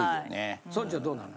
村長どうなの？